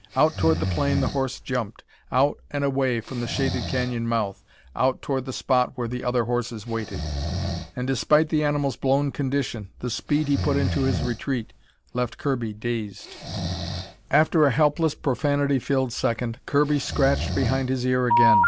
Out toward the plain the horse jumped, out and away from the shaded canyon mouth, out toward the spot where other horses waited. And despite the animal's blown condition, the speed he put into his retreat left Kirby dazed. After a helpless, profanity filled second, Kirby scratched behind his ear again.